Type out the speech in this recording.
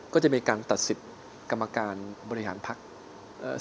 ก็จะเป็นการตัดสิทธิ์กรรมการบริหารภักรณ์